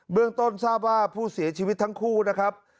เรื่องต้นทราบว่าผู้เสียชีวิตทั้งคู่นะครับ